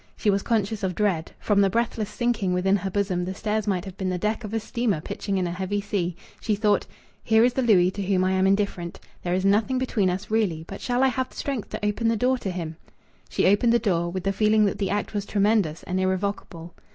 She was conscious of dread. From the breathless sinking within her bosom the stairs might have been the deck of a steamer pitching in a heavy sea. She thought "Here is the Louis to whom I am indifferent. There is nothing between us, really. But shall I have strength to open the door to him?" She opened the door, with the feeling that the act was tremendous and irrevocable.